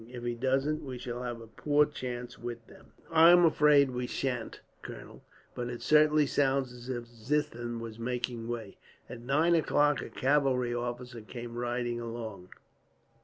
If he doesn't, we shall have a poor chance with them." "I am afraid we sha'n't, colonel; but it certainly sounds as if Ziethen was making way." At nine o'clock a cavalry officer came riding along.